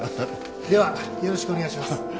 ではよろしくお願いします。